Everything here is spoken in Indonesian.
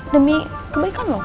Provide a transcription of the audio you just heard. demi kebaikan lo